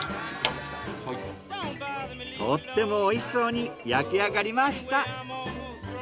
とってもおいしそうに焼き上がりました。